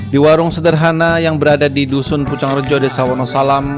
di warung sederhana yang berada di dusun pucang rejo desa wonosalam